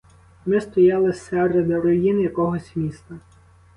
Ми стояли серед руїн якогось міста.